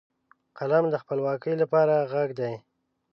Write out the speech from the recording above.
قلم د خپلواکۍ لپاره غږ دی